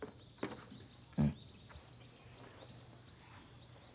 うん。